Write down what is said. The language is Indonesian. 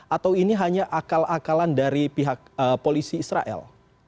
atau ini hanya akal akalan dari pihak polisi israel